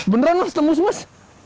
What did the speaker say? beneran mas nembus nembus